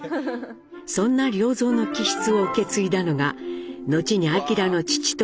そんな良三の気質を受け継いだのがのちに明の父となる長男・喜一。